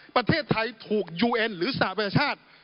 ประเทศไทยถูกยูเอ็นหรือสหประชาชาติ